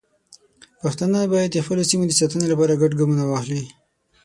پښتانه باید د خپلو سیمو د ساتنې لپاره ګډ ګامونه واخلي.